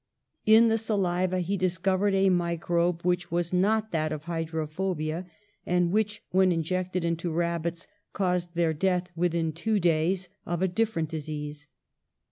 In the saliva he discovered a microbe, which was not that of hydrophobia, and which, when injected into rabbits, caused their death within two days of a different disease.